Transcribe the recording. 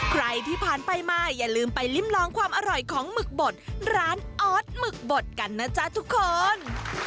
ใครที่ผ่านไปมาอย่าลืมไปลิ้มลองความอร่อยของหมึกบดร้านออสหมึกบดกันนะจ๊ะทุกคน